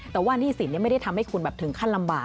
แต่ว่าหนี้สินไม่ได้ทำให้คุณแบบถึงขั้นลำบาก